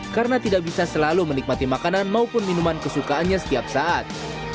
karena tidak bisa selalu menikmati makanan maupun minuman kesukaannya setiap saat